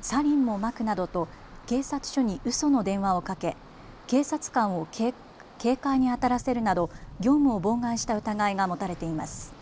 サリンもまくなどと警察署にうその電話をかけ警察官を警戒にあたらせるなど業務を妨害した疑いが持たれています。